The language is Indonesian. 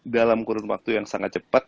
dalam kurun waktu yang sangat cepat